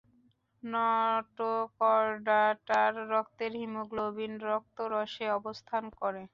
নটোকর্ডাটার রক্তের হিমোগ্লোবিন রক্তরসে অবস্থান করে।